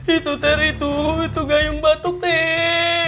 itu ter itu itu gayung batuk ter